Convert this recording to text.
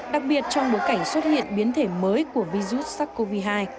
đặc biệt trong bối cảnh xuất hiện biến thể mới của virus sars cov hai